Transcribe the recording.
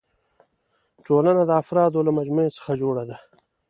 ټولنه د افرادو له مجموعي څخه جوړه ده.